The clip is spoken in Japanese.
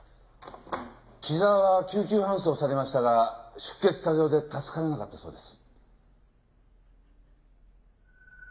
木沢は救急搬送されましたが出血多量で助からなかったそうです。